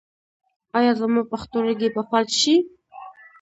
ایا زما پښتورګي به فلج شي؟